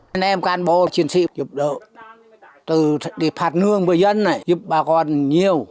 anh em can bố chiến sĩ dụp đỡ từ phạt nương bởi dân này dụp bà con nhiều